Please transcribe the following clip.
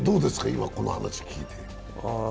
今、この話聞いて。